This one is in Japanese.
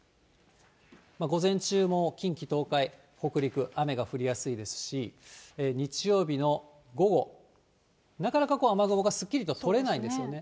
午前中も近畿、東海、北陸、雨が降りやすいですし、日曜日の午後、なかなかこう雨雲がすっきりと取れないんですよね。